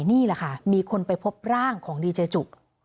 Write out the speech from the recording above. นี่แหละค่ะมีคนไปพบร่างของดีเจจุ